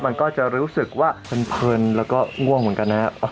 มันก็จะรู้สึกว่าเพลินแล้วก็ง่วงเหมือนกันนะครับ